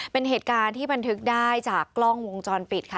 เป็นเหตุการณ์ที่บันทึกได้จากกล้องวงจรปิดค่ะ